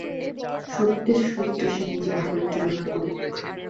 সত্যের সহিত সে নিজ ভাবের তুলনা করুক।